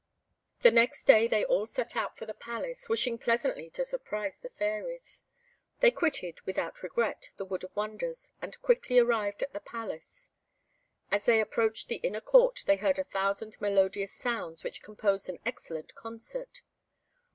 The next day they all set out for the Palace, wishing pleasantly to surprise the fairies. They quitted, without regret, the Wood of Wonders, and quickly arrived at the Palace. As they approached the inner court, they heard a thousand melodious sounds, which composed an excellent concert.